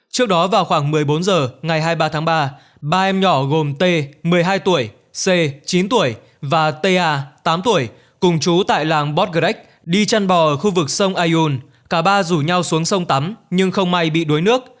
trước đó vào khoảng một mươi bốn giờ ngày hai mươi ba tháng ba ba em nhỏ gồm t một mươi hai tuổi c chín tuổi và t a tám tuổi cùng chú tại làng bot grec đi chăn bò ở khu vực sông ayun